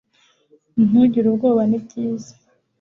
ntugire ubwoba nibyiza